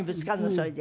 それで。